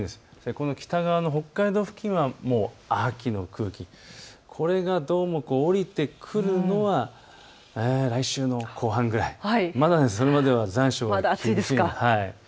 この北側の北海道付近は秋の空気、これがどうも下りてくるのは来週の後半ぐらい、まだそれまでは残暑が厳しいです。